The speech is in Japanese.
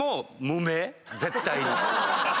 絶対に。